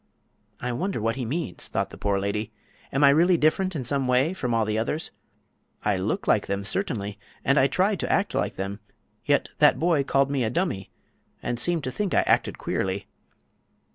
"I wonder that he means," thought the poor lady. "Am I really different in some way from all the others? I look like them, certainly; and I try to act like them; yet that boy called me a dummy and seemed to think I acted queerly."